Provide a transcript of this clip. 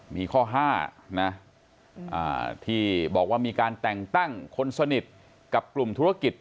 มีข้อ๕นะที่บอกว่ามีการแต่งตั้งคนสนิทกับกลุ่มธุรกิจ